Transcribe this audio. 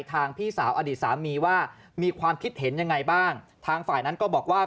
พี่สาวอดีตสามีว่ามีความคิดเห็นยังไงบ้างทางฝ่ายนั้นก็บอกว่า